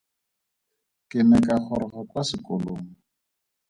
Ke ne ka goroga kwa sekolong.